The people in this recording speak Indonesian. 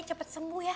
cepet sembuh ya